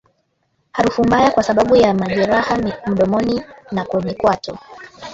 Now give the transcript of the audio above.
Harufu mbaya Kwa sababu ya majeraha mdomoni na kwenye kwato